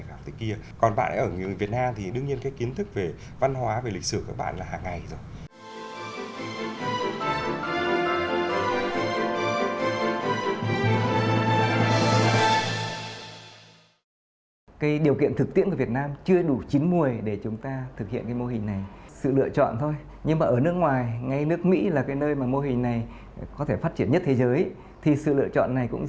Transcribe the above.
học tự nhiên ở lớp dưới rồi những cái môn tìm hiểu về xã hội